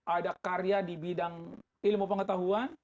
ada karya di bidang ilmu pengetahuan